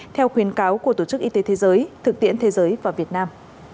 theo khuyến cáo của tổ chức y tế thế giới thực tiễn thế giới và việt nam